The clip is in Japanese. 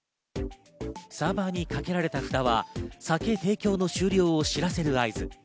サーバにかけられた札は酒提供の終了を知らせる合図。